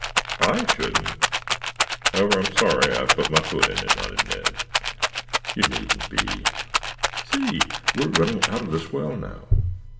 "I shouldn't. However, I'm sorry I put my foot in it," nodded Ned. "You needn't be. See! We are running out of the swell now."